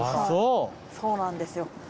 そうなんですよ。